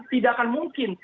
tidak akan mungkin